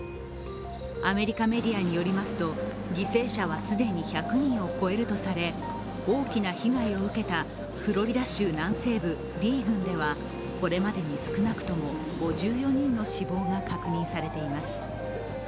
アメリカメディアによりますと、犠牲者は既に１００人を超えるとされ、大きな被害を受けたフロリダ州南西部リー郡ではこれまでに少なくとも５４人の死亡が確認されています。